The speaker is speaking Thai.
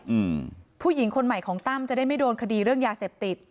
อืมผู้หญิงคนใหม่ของตั้มจะได้ไม่โดนคดีเรื่องยาเสพติด